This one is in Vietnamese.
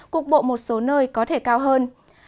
cục bộ một số nơi có thể cao hơn